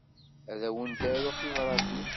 Ad wen-d-aruɣ tibratin.